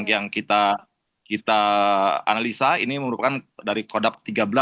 yang kita analisa ini merupakan dari kodab tiga belas